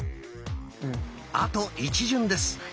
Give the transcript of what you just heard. あと一巡です。